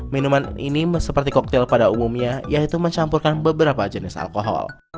minuman ini seperti koktel pada umumnya yaitu mencampurkan beberapa jenis alkohol